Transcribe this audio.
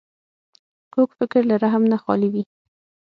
کوږ فکر له رحم نه خالي وي